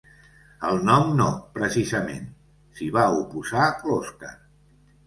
El nom no, precisament —s'hi va oposar l'Oskar—.